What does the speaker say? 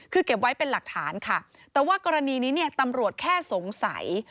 คือเก็บไว้เป็นหลักฐานค่ะแต่ว่ากรณีนี้เนี่ยตำรวจแค่สงสัย